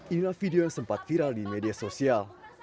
inilah video yang sempat viral di media sosial